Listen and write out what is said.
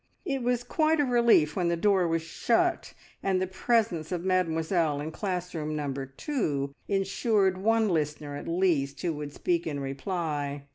It was quite a relief when the door was shut, and the presence of Mademoiselle in classroom number two insured one listener at least who would speak in reply.